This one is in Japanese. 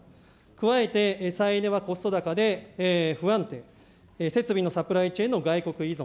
加えて、再エネはコスト高で不安定、設備のサプライチェーンの外国依存。